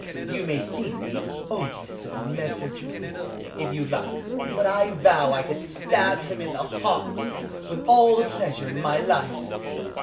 You may think me an odious little meddler, Julie, if you like, but I vow I could stab him to the heart, with all the pleasure in life!"